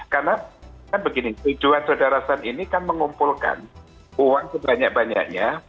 karena kan begini kejuan sodara san ini kan mengumpulkan uang sebanyak banyaknya